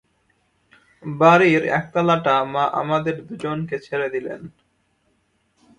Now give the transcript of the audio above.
বাড়ির একতালাটা মা আমাদের দুজনকে ছেড়ে দিলেন।